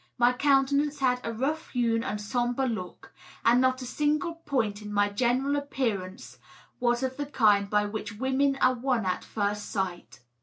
My countenance had a rough hewn and sombre look, and not a single point in my general appearance was of the kind by which women are won at first sight.